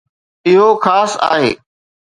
اهو خاص آهي